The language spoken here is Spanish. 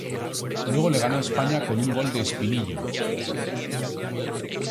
Luego le ganó a España con un gol de Espinillo.